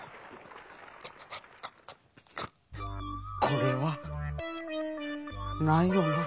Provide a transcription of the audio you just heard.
「これ」はないよな。